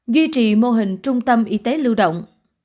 duy trì mô hình trung tâm y tế lưu động